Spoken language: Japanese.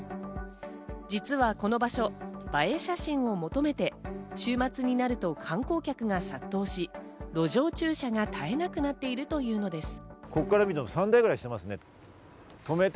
実はこの場所、映え写真を求めて週末になると観光客が殺到し、路上駐車が絶えなくなっているというのです。